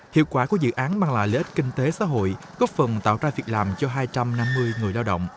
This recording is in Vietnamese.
hiệu quả của dự án mang lại lợi ích kinh tế xã hội góp phần tạo ra việc làm cho hai trăm năm mươi người lao động